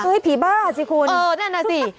ผีบ้าสิคุณเออนั่นน่ะสิ